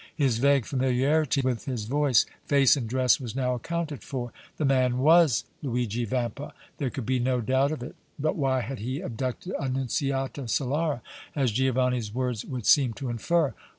His vague familiarity with his voice, face and dress was now accounted for. The man was Luigi Vampa. There could be no doubt of it. But why had he abducted Annunziata Solara, as Giovanni's words would seem to infer?